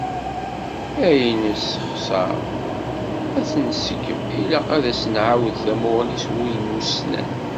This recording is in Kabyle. Ayen nessexṣer ad t-nseggem, ilaq ad as-nɛawed tamuɣli s wudem ussnan.